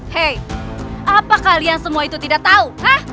hei apa kalian semua itu tidak tahu